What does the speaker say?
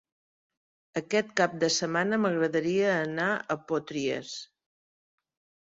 Aquest cap de setmana m'agradaria anar a Potries.